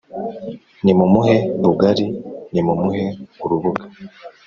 nimumuhe rugari: nimumuhe urubuga